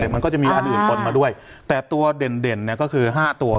มันก็จะมีอันอื่นต้นมาด้วยแต่ตัวเด่นก็คือ๕ตัว